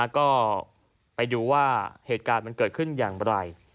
ก็ไปดูว่าเหตุการณ์มันเกิดขึ้นอย่างไร